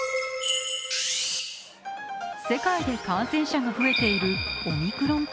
世界で感染者が増えているオミクロン株。